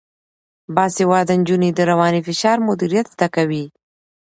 باسواده نجونې د رواني فشار مدیریت زده کوي.